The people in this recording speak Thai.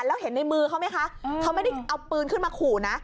แล้วเห็นในมือเขาไหมคะเขาไม่ได้เอาปืนขึ้นมาขู่นะ